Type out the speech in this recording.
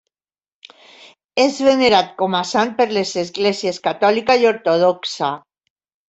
És venerat com a sant per les esglésies catòlica i ortodoxa.